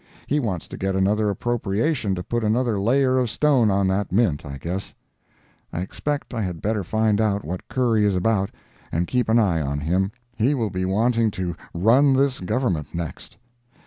He wants to get another appropriation to put another layer of stone on that Mint, I guess. I expect I had better find out what Curry is about and keep an eye on him—he will be wanting to run this Government next.